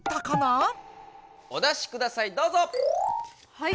はい。